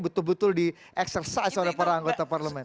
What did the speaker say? betul betul di exercise oleh para anggota parlemen